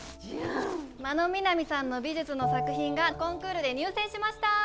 真野みなみさんの美術の作品がコンクールで入選しました！